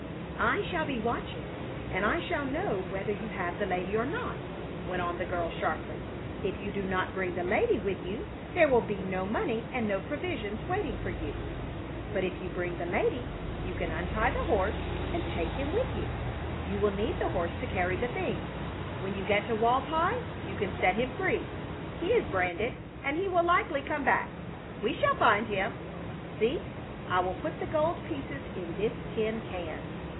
"I shall be watching and I shall know whether you have the lady or not," went on the girl, sharply. "If you do not bring the lady with you there will be no money and no provisions waiting for you. But if you bring the lady you can untie the horse and take him with you. You will need the horse to carry the things. When you get to Walpi you can set him free. He is branded and he will likely come back. We shall find him. See, I will put the gold pieces in this tin can."